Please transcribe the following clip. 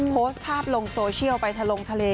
โพสต์ภาพลงโซเชียลไปทะลงทะเล